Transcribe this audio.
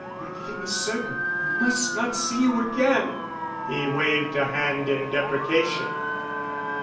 One thing is certain: I must not see you again." He waved a hand in deprecation.